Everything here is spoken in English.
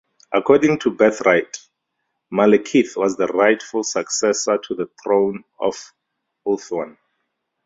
According to birthright, Malekith was the rightful successor to the throne of Ulthuan.